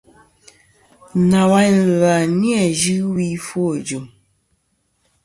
Nawayn ɨ̀lvɨ-a nɨn yɨ wi ɨfwo ɨjɨ̀m.